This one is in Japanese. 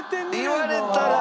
言われたら。